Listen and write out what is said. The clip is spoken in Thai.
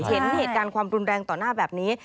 เห็นเหตุการณ์ความรุนแรงต่อหน้าแบบนี้